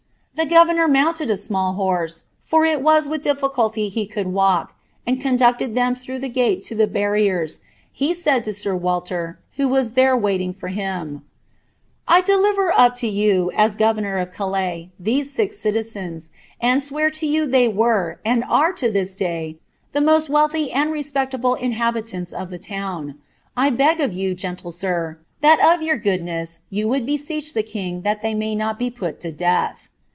The governor mounted a small horse, for it was with dilTiculiy he could walk, and conducted ihein through the gale lo Uie barriers; he said to sir Walter, who was ihere waiting for him —•■■ I deliver up lo you, as governor of Calais, these six citiiens, and •we*r to you they were, and are at lliis day, the moat wealthy and (^ ■pcctable tiihabiianta of the town. 1 beg of you, gentle sir, that df ytttu goodueas you would besoech the king lliat they may not be put M d«a(h.'